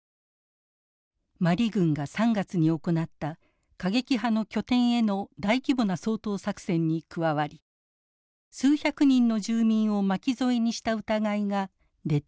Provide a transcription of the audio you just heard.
マリ軍が３月に行った過激派の拠点への大規模な掃討作戦に加わり数百人の住民を巻き添えにした疑いが出ています。